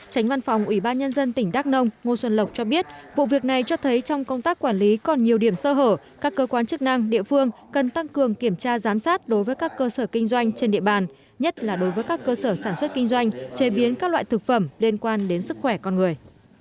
tránh văn phòng ủy ban nhân dân tỉnh đắk nông ngô xuân lộc cho biết vụ việc này cho thấy trong công tác quản lý còn nhiều điểm sơ hở các cơ quan chức năng địa phương cần tăng cường kiểm tra giám sát đối với các cơ sở kinh doanh trên địa bàn nhất là đối với các cơ sở sản xuất kinh doanh chế biến các loại thực phẩm liên quan đến sức khỏe con người